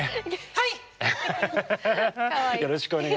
はい！